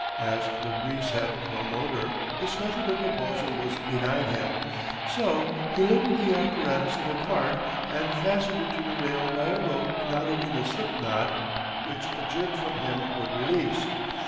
As Le Bris had no motor this method of propulsion was denied him, so he loaded the apparatus in a cart, and fastened it to the rail by a rope knotted in a slip knot which a jerk from him would release.